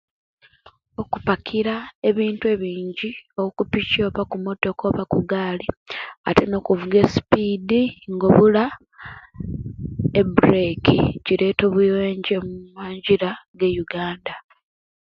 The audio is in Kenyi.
Okupakira ebintu ebingi oku piki oba kumotoka, oba kugali, ate no okuvuga esipidi ngobula ebureki, kireeta obubenje mumangira ege Uganda.